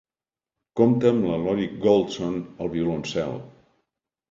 Compta amb Lori Goldston al violoncel.